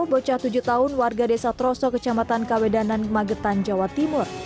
bocah tujuh tahun warga desa troso kecamatan kawedanan magetan jawa timur